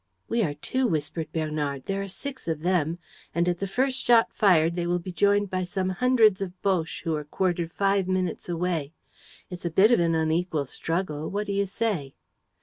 "We are two," whispered Bernard. "There are six of them; and, at the first shot fired, they will be joined by some hundreds of Boches who are quartered five minutes away. It's a bit of an unequal struggle, what do you say?"